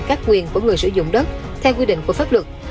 các quyền của người sử dụng đất theo quy định của pháp luật